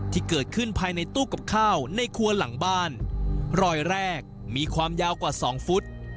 ที่เกิดขึ้นภายในตู้กับข้าวในครัวหลังบ้านรอยแรกมีความยาวกว่าสองฟุต